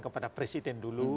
kepada presiden dulu